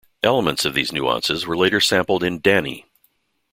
Elements of these nuances were later sampled in Danny!